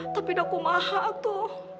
tapi aku mahak tuh